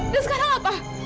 dan sekarang apa